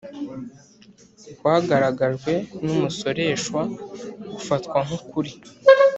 kwagaragajwe n umusoreshwa gufatwa nk ukuri